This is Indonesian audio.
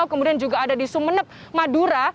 kemudian juga ada di sumeneb madura